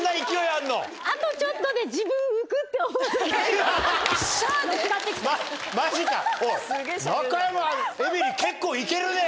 あとちょっとで自分浮くってしゃーで？